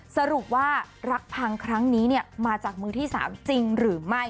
สรุปว่ารักพังครั้งนี้มาจากมือที่๓จริงหรือไม่